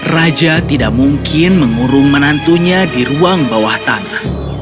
raja tidak mungkin mengurung menantunya di ruang bawah tanah